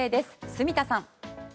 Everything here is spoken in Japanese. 住田さん。